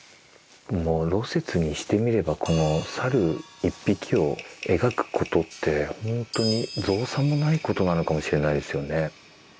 もう芦雪にしてみればこの猿１匹を描くことってほんとに造作もないことなのかもしれないですよね。